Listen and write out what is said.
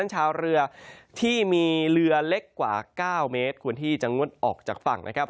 เหลือเล็กกว่า๙เมตรควรที่จังงวดออกจากฝั่งนะครับ